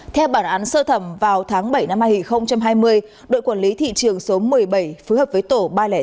theo bản án sơ thẩm vào tháng bảy năm hai nghìn hai mươi đội quản lý thị trường số một mươi bảy phối hợp với tổ ba trăm linh tám